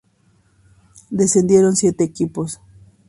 Descendieron siete equipos.